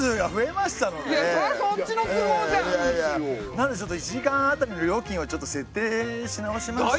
なので１時間当たりの料金をちょっと設定し直しまして。